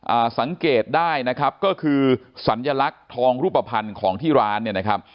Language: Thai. อ่าสังเกตได้นะครับก็คือสัญลักษณ์ทองรูปภัณฑ์ของที่ร้านเนี่ยนะครับ